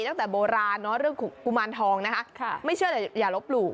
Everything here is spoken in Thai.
ตั้งแต่โบราณเนาะเรื่องกุมารทองนะคะไม่เชื่อแต่อย่าลบหลู่